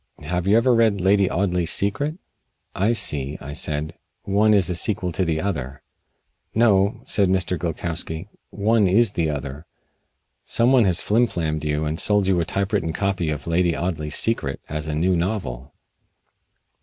Have you ever read 'Lady Audley's Secret'?" "I see," I said. "One is a sequel to the other." "No," said Mr. Gilkowsky. "One is the other. Some one has flim flammed you and sold you a typewritten copy of 'Lady Audley's Secret' as a new novel."